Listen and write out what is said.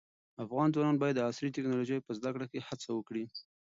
افغان ځوانان باید د عصري ټیکنالوژۍ په زده کړه کې هڅه وکړي.